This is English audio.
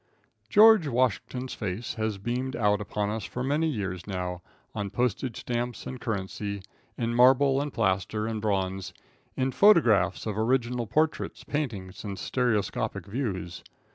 George Washington's face has beamed out upon us for many years now, on postage stamps and currency, in marble, and plaster, and bronze, in photographs of original portraits, paintings, end stereoscopic views.